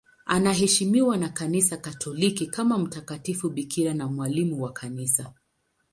Anaheshimiwa na Kanisa Katoliki kama mtakatifu bikira na mwalimu wa Kanisa.